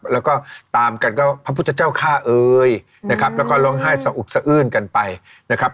แล้วก็ตามกันก็พระพุทธเจ้าฆ่าเอ่ยนะครับแล้วก็ร้องไห้สะอุกสะอื้นกันไปนะครับ